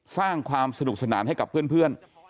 สร้างความสนุกสนานให้กับเพื่อน